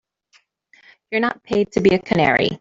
You're not paid to be a canary.